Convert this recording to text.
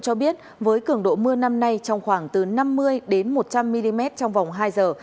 cho biết với cường độ mưa năm nay trong khoảng từ năm mươi một trăm linh mm trong vòng hai giờ